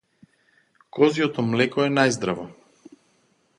Козјото млеко е најздраво.